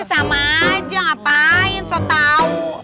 ya sama aja ngapain so tau